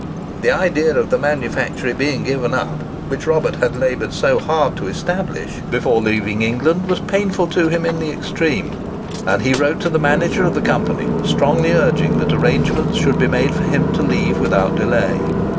The idea of the manufactory being given up, which Robert had laboured so hard to establish before leaving England, was painful to him in the extreme, and he wrote to the manager of the Company, strongly urging that arrangements should be made for him to leave without delay.